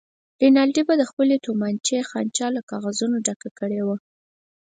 رینالډي به د خپلې تومانچې خانچه له کاغذونو ډکه کړې وه.